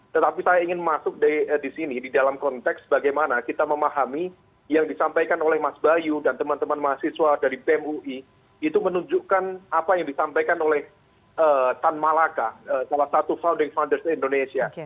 tetapi saya ingin masuk di sini di dalam konteks bagaimana kita memahami yang disampaikan oleh mas bayu dan teman teman mahasiswa dari bem ui itu menunjukkan apa yang disampaikan oleh tan malaka salah satu founding funders indonesia